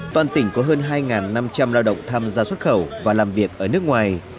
toàn tỉnh có hơn hai năm trăm linh lao động tham gia xuất khẩu và làm việc ở nước ngoài